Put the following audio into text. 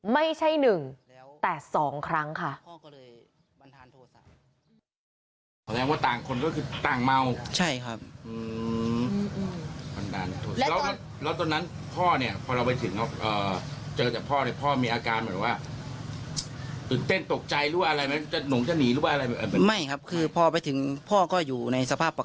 ไม่ใช่หนึ่งแต่สองครั้งค่ะ